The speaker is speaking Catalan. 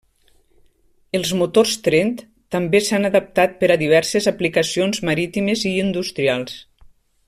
Els motors Trent també s'han adaptat per a diverses aplicacions marítimes i industrials.